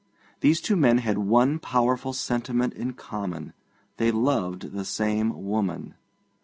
These two men had one powerful sentiment in common: they loved the same woman.